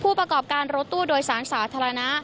ประกอบการรถตู้โดยสารสาธารณะ